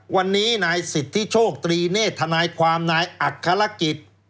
วันนี้นายสิทธิโชคตรีเนธนายความนายอัครกิจ